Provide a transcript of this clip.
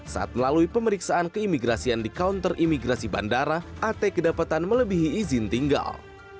saat melalui pemeriksaan keimigrasian di counter imigrasi bandara at kedapatan melebihi izin tinggal